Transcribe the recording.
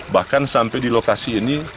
bahkan sampai di lokasi ini